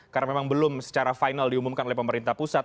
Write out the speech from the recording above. karena memang belum secara final diumumkan oleh pemerintah pusat